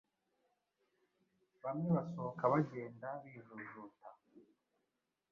bamwe basohoka bagenda bijujuta.